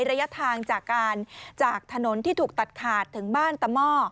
ระยะทางจากการจากถนนที่ถูกตัดขาดถึงบ้านตะหม้อ